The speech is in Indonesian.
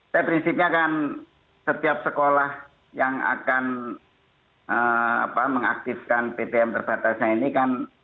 dan prinsipnya kan setiap sekolah yang akan mengaktifkan ptm terbatasnya ini kan